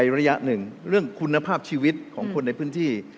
ระยะหนึ่งเรื่องคุณภาพชีวิตของคนในพื้นที่